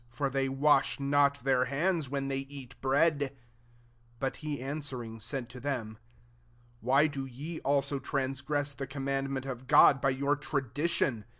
for they wash not their hands when they eat bread*" 3 But he answering, said to them, " Why do ye also transgress the commandment of God by your tradition